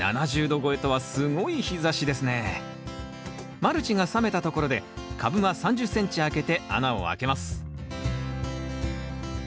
マルチが冷めたところで株間３０ｃｍ空けて穴をあけます